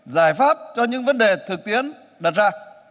giải pháp cho những vấn đề thực tiễn đặt ra